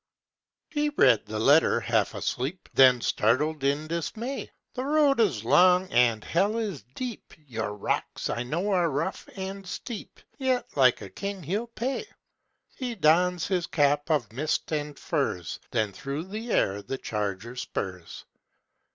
He read the letter half asleep, Then started in dismay: "The road is long, and hell is deep, Your rocks I know are rough and steep ... Yet like a king he'll pay!" He dons his cap of mist and furs, Then through the air the charger spurs.